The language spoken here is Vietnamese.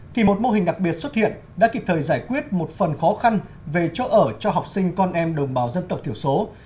thì một mô hình đặc biệt xuất hiện đã kịp thời giải quyết một phần khó khăn về chỗ ở cho học sinh con em đồng bào dân tộc thiểu số